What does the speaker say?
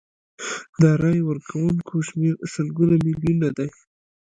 د رایې ورکوونکو شمیر سلګونه میلیونه دی.